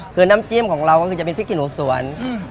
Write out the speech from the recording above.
คือน้ำจิ้มของเราก็คือจะเป็นพริกขี้หนูสวน